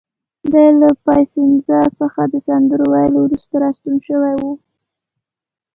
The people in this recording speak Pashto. دی له پایسنزا څخه د سندرو ویلو وروسته راستون شوی و.